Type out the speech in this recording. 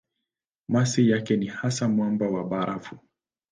Masi yake ni hasa mwamba na barafu.